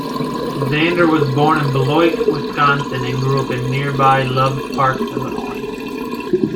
Zander was born in Beloit, Wisconsin, and grew up in nearby Loves Park, Illinois.